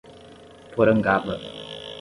Porangaba